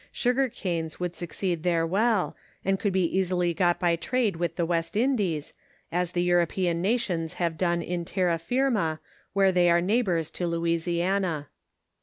Sugar canes would succeed there well, and could be easily got by trade with the "West Indies, as the Europeans nations have done in Terra firma, where they are neighbors to Louisiana.